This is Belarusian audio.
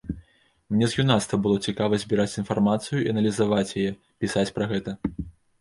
Мне з юнацтва было цікава збіраць інфармацыю і аналізаваць яе, пісаць пра гэта.